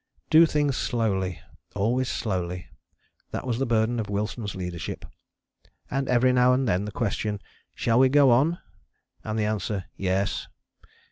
Do things slowly, always slowly, that was the burden of Wilson's leadership: and every now and then the question, Shall we go on? and the answer Yes.